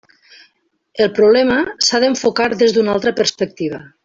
El problema s'ha d'enfocar des d'una altra perspectiva.